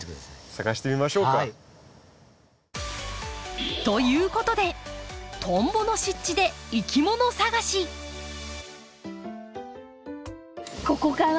探してみましょうか。ということでトンボの湿地でここかな。